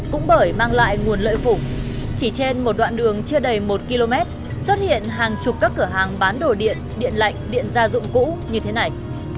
cũng bởi mang lại nguồn lợi khủng chỉ trên một đoạn đường chưa đầy một km xuất hiện hàng chục các cửa hàng bán đồ điện điện lạnh điện gia dụng cũ như thế này